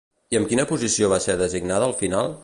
I amb quina posició va ser designada al final?